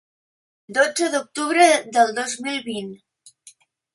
Dotze d'octubre del dos mil vint.